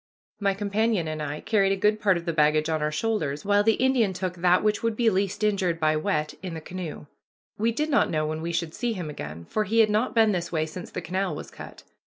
My companion and I carried a good part of the baggage on our shoulders, while the Indian took that which would be least injured by wet in the canoe. We did not know when we should see him again, for he had not been this way since the canal was cut.